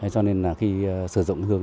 cho nên là khi sử dụng hương